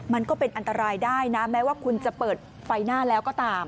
มันก็เป็นอันตรายได้นะแม้ว่าคุณจะเปิดไฟหน้าแล้วก็ตาม